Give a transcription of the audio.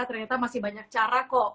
ternyata masih banyak cara kok